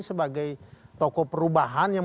sebagai tokoh perubahan yang